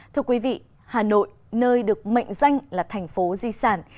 thưa quý vị hà nội nơi được mệnh danh là thành phố di sản